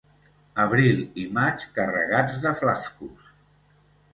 Abril i maig, carregats de flascos.